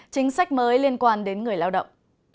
chính sách mới liên quan đến người lao động